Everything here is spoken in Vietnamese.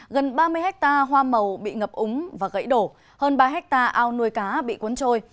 gần ba mươi hectare hoa màu bị ngập úng và gãy đổ hơn ba hectare ao nuôi cá bị cuốn trôi